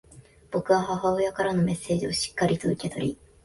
僕は母親からのメッセージをしっかりと受け取り、